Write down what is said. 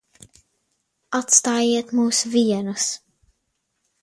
Atstājiet mūs vienus.